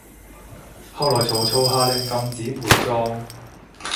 後來曹操下令禁止陪葬